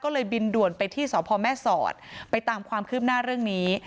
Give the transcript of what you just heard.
ก็เลยบินด่วนไปที่สพแม่สอดไปตามความคืบหน้าเรื่องนี้